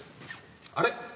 あれ？